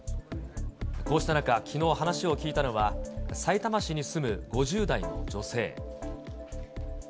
こうした中、きのう話を聞いたのは、さいたま市に住む５０代の女性。